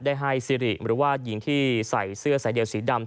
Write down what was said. ได้ให้ซิริหรือว่าหญิงที่ใส่เสื้อสายเดียวสีดำ